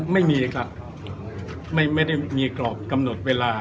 ไม่ได้มีกรอบกำหนดเวลา